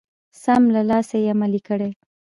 سم له لاسه يې عملي کړئ.